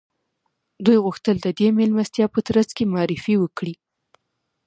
دوی غوښتل د دې مېلمستیا په ترڅ کې معرفي وکړي